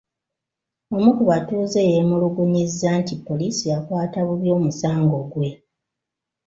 Omu ku batuuze yeemulugunyizza nti poliisi yakwata bubi omusango gwe.